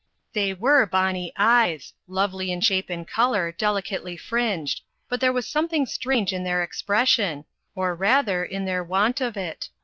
They were bonny eyes! lovely in shape and colour, delicately fringed; but there was something strange in their expression or rather, in their want of it.